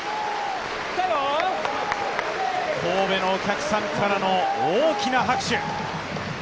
神戸のお客さんからの大きな拍手。